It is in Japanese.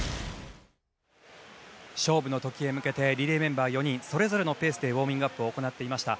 勝負の時へ向けてリレーメンバー４人それぞれのペースでウォーミングアップを行っていました。